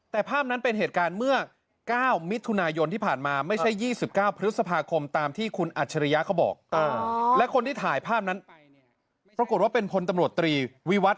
แต่ภาพนั้นเป็นเหตุการณ์เมื่อ๙มิตรทุนายนที่ผ่านมา